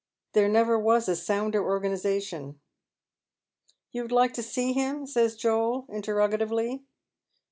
There never was a sounder organization." " You would like to see him ?" says Joel, interrogatively.